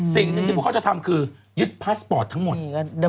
สิ่งหนึ่งที่พวกเขาจะทำคือยึดพาสปอร์ตทั้งหมด